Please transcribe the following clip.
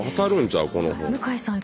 向井さん